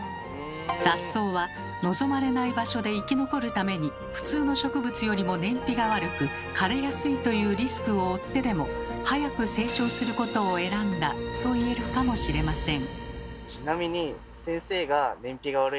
雑草は望まれない場所で生き残るために普通の植物よりも燃費が悪く枯れやすいというリスクを負ってでも早く成長することを選んだと言えるかもしれません。